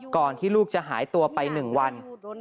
ที่ลูกจะหายตัวไป๑วัน